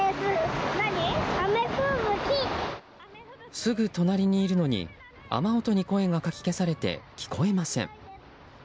すぐ隣にいるのに雨音に声がかき消されて聞こえません。